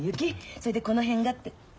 それでこの辺があら？